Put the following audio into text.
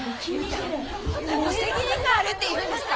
何の責任があるっていうんですか！？